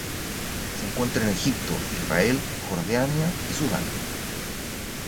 Se encuentra en Egipto, Israel, Jordania y Sudán.